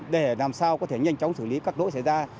để làm sao có thể nhanh chóng xử lý các lỗi xảy ra